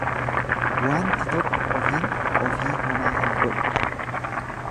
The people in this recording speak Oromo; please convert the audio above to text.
Wanti tokko ofiin ofii homaa hin godhu.